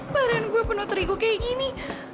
badan gue penuh terigu kayak gini